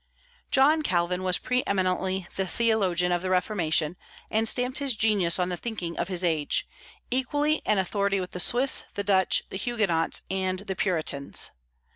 John Calvin was pre eminently the theologian of the Reformation, and stamped his genius on the thinking of his age, equally an authority with the Swiss, the Dutch, the Huguenots, and the Puritans.